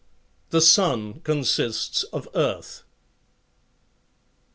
The sun consists of earth.